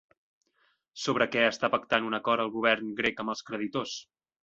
Sobre què està pactant un acord el govern grec amb els creditors?